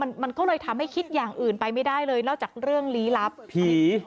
มันมันก็เลยทำให้คิดอย่างอื่นไปไม่ได้เลยนอกจากเรื่องลี้ลับผี